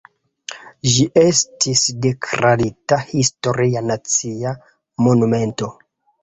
Ĝi estis deklarita Historia Nacia Monumento.